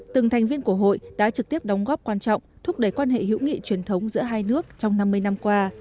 từng thành viên của hội đã trực tiếp đóng góp quan trọng thúc đẩy quan hệ hữu nghị truyền thống giữa hai nước trong năm mươi năm qua